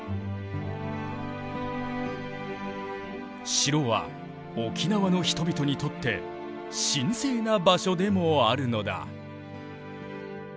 城は沖縄の人々にとって神聖な場所でもあるのだ。